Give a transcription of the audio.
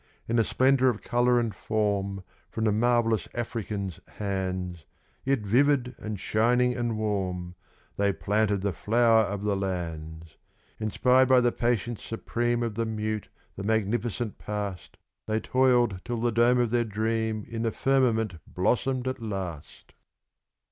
In a splendour of colour and form, from the marvellous African's hands Yet vivid and shining and warm, they planted the Flower of the Lands. Inspired by the patience supreme of the mute, the magnificent past, They toiled till the dome of their dream in the firmament blossomed at last!